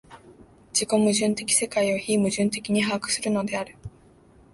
自己矛盾的世界を非矛盾的に把握するのである。